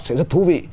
sẽ rất thú vị